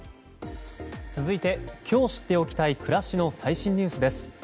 続いて今日知っておきたい暮らしの最新ニュースです。